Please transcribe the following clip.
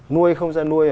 nuôi không ra nuôi